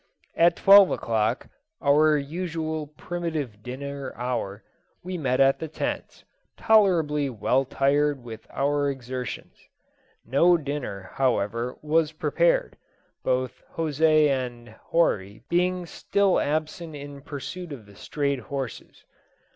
At twelve o'clock, our usual primitive dinner hour, we met at the tents, tolerably well tired with our exertions. No dinner, however, was prepared, both José and Horry being still absent in pursuit of the strayed horses.